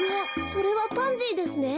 それはパンジーですね。